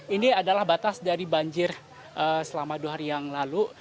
ini adalah batas dari banjir selama dua hari yang lalu